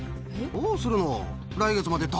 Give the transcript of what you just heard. どうするの？